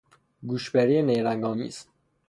گوشبری نیرنگ آمیز